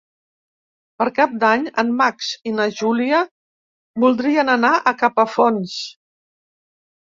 Per Cap d'Any en Max i na Júlia voldrien anar a Capafonts.